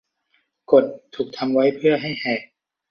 กฎถูกทำไว้เพื่อให้แหก